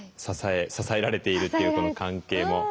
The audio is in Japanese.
支え支えられているというこの関係も。